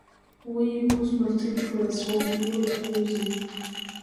Уи игәы змырҭынчуа рацәоуп, илыбхәузеи?